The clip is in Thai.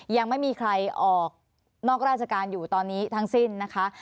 ยังไม่มีใครออกนอกราชการอยู่ตอนนี้ทั้งสิ้นนะคะ